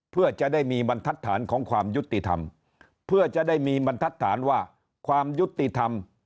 เพื่อจะได้มีบรรทัศนของความยุติธรรมเพื่อจะได้มีบรรทัดฐานว่าความยุติธรรม